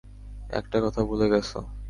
একটা কথা ভুলে গেছ।